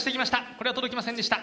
これは届きませんでした。